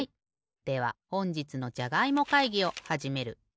ではほんじつのじゃがいも会議をはじめる。